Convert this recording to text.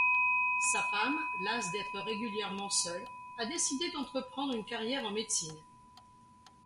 Sa femme, lasse d'être régulièrement seule, a décidé d'entreprendre une carrière en médecine.